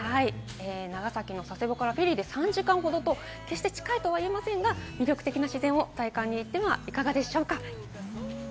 長崎の佐世保からフェリーで３時間ほどと決して近いとは言えませんが、魅力的な自然を体感に行ってみてはいかがでしょうか。